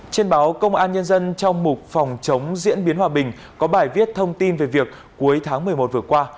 trên báo công an nhân dân trong mục phòng chống diễn biến hòa bình có bài viết thông tin về việc cuối tháng một mươi một vừa qua